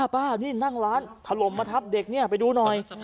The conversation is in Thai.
ป้านี่นั่งร้านถล่มมาทับเด็กเนี่ยไปดูหน่อย